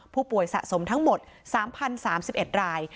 ผู้ป่วยสะสมทั้งหมด๓๐๓๑ราย